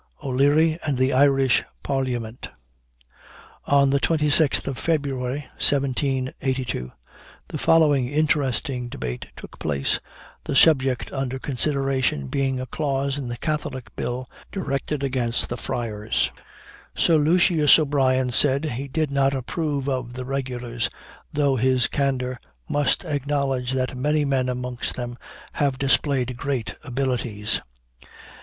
O'LEARY AND THE IRISH PARLIAMENT. On the 26th February, 1782, the following interesting debate took place, the subject under consideration being a clause in the Catholic Bill directed against the friars: "Sir Lucius O'Brien said, he did not approve of the regulars, though his candor must acknowledge that many men amongst them have displayed great abilities.